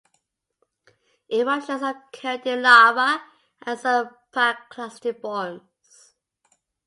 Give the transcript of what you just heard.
Eruptions occurred in lava and some pyroclastic forms.